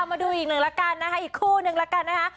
เอามาดูอีกหนึ่งแล้วกันนะฮะอีกคู่หนึ่งแล้วกันนะฮะ